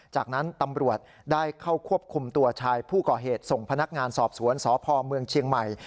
จากนั้นตำรวจได้เข้าควบคุมตัวชายผู้ก่อเหตุส่งพนักงานสอบสวนสพเมืองเชียงใหม่